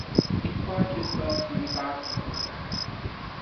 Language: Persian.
این پارکت به آسانی برق میافتد.